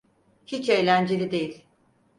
Hiç eğlenceli değil.